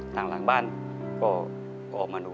หลังบ้านก็ออกมาดู